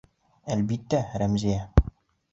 Әлбиттә, Рәмзиә!